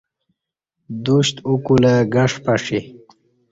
دُشت اوکلہ گݜ پݜی